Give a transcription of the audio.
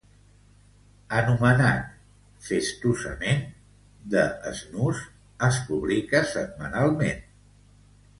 Anomenat festosament "The Snooze", es publica setmanalment.